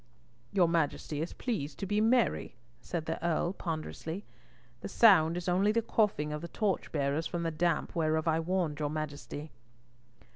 "Your Majesty is pleased to be merry," said the Earl, ponderously. "The sound is only the coughing of the torchbearers from the damp whereof I warned your Majesty."